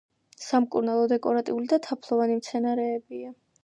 სამკურნალო, დეკორატიული და თაფლოვანი მცენარეებია.